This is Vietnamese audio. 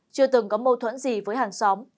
chưa từng có mâu thuẫn gì với hàng xóm